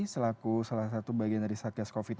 selaku salah satu bagian dari satgas covid sembilan belas